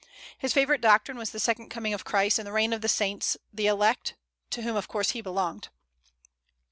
His favorite doctrine was the second coming of Christ and the reign of the saints, the elect, to whom of course he belonged.